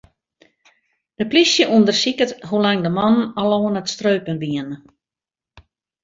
De plysje ûndersiket hoe lang de mannen al oan it streupen wiene.